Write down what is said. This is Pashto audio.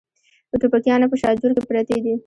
د ټوپکیانو په شاجور کې پرتې دي.